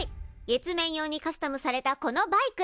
月面用にカスタムされたこのバイク。